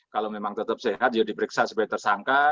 kalau memang tetap sehat ya diperiksa supaya tersangka